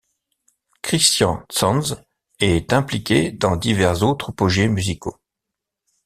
Christian Tschanz est impliqué dans divers autres projets musicaux.